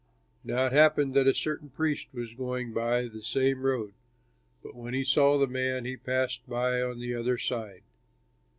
Now it happened that a certain priest was going by the same road, but when he saw the man, he passed by on the other side.